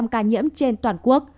ca nhiễm trên toàn quốc